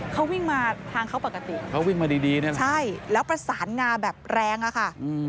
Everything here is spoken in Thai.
เขาวิ่งมาทางเขาปกติเขาวิ่งมาดีแล้วประสานงาแบบแรงค่ะ